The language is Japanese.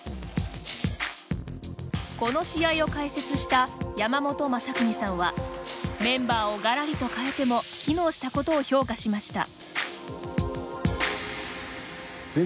この試合を解説した山本昌邦さんはメンバーをがらりと替えても機能したことを評価しました。